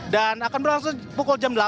dan akan berlangsung pukul jam delapan